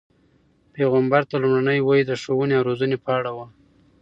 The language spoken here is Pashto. پیغمبر ته لومړنۍ وحی د ښوونې او روزنې په اړه وه.